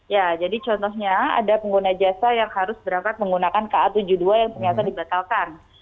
ya jadi contohnya ada pengguna jasa yang harus berangkat menggunakan ka tujuh puluh dua yang ternyata dibatalkan